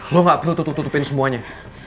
lo gak perlu tutup tutupin semuanya